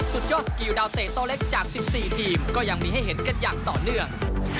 สุดยอดสกิลดาวเตะโตเล็กจาก๑๔ทีมก็ยังมีให้เห็นกันอย่างต่อเนื่อง